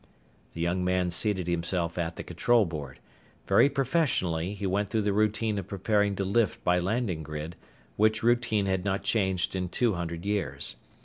The young man seated himself at the control board. Very professionally, he went through the routine of preparing to lift by landing grid, which routine has not changed in two hundred years.